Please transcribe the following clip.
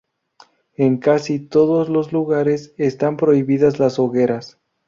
En casi todos los lugares están prohibidas las hogueras.